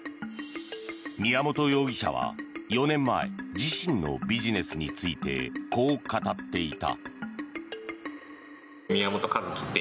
宮本容疑者は４年前自身のビジネスについてこう語っていた。